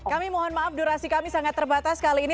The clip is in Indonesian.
kami mohon maaf durasi kami sangat terbatas kali ini